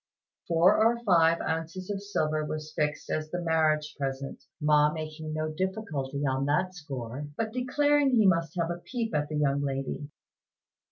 Four or five ounces of silver was fixed as the marriage present, Ma making no difficulty on that score, but declaring he must have a peep at the young lady.